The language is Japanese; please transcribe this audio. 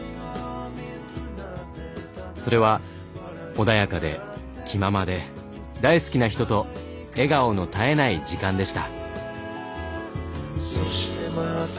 それは穏やかで気ままで大好きな人と笑顔の絶えない時間でした。